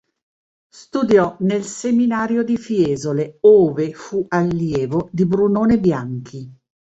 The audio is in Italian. Studiò nel seminario di Fiesole, ove fu allievo di Brunone Bianchi.